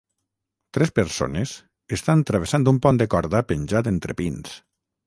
tres persones estan travessant un pont de corda penjat entre pins.